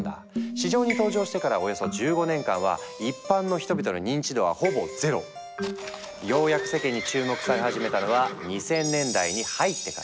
市場に登場してからようやく世間に注目され始めたのは２０００年代に入ってから。